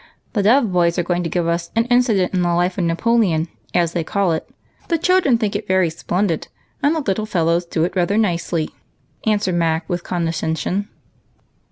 " The Dove boys are going to give us an * Incident in the Life of Napoleon,' as they call it ; the children think it very splendid, and the little fellows do it rather nicely," answered Mac with condescension.